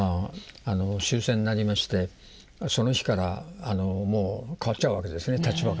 終戦になりましてその日からもう変わっちゃうわけですね立場が。